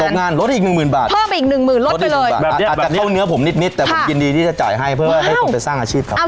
ตกงานลดอีก๑๐๐๐๐บาทอาจจะเข้าเนื้อผมนิดแต่ผมยินดีที่จะจ่ายให้เพื่อให้คนไปสร้างอาชีพครับ